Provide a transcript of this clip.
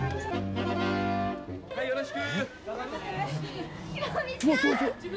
はいよろしく。